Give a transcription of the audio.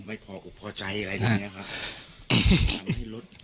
ไม่พออุบัติใจอะไรแบบนี้ครับ